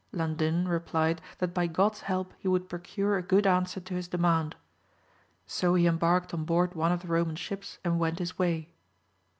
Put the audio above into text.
Landin replied that by God's help he would procure a good answer to his demand. So he embarked on board one of the Eoman ships, and went his way.